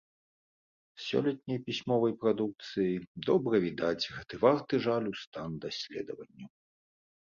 З сёлетняй пісьмовай прадукцыі добра відаць гэты варты жалю стан даследаванняў.